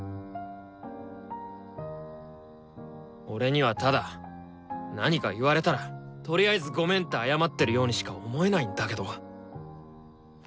俺にはただ何か言われたらとりあえず「ごめん」って謝ってるようにしか思えないんだけど？